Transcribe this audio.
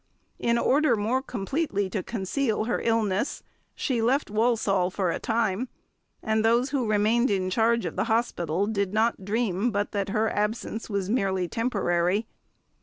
In order more completely to conceal her illness, she left Walsall for a time; and those who remained in charge of the hospital did not dream but that her absence was merely temporary.